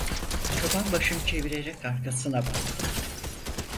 Çoban başını çevirerek arkasına baktı.